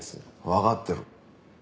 わかってる。